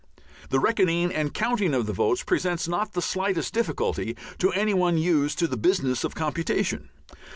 The reckoning and counting of the votes presents not the slightest difficulty to any one used to the business of computation.